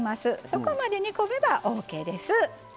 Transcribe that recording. そこまで煮込めばオーケーです。